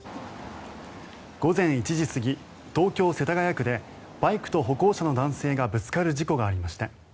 午前１時過ぎ、東京・世田谷区でバイクと歩行者の男性がぶつかる事故がありました。